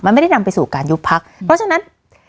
มันไม่ได้นำไปสู่การยุบพักเพราะฉะนั้น